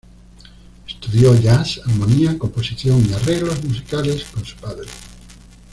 Estudió jazz, armonía, composición y arreglos musicales con su padre.